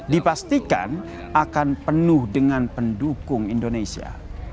dipastikan akan penuh dengan pendukung indonesia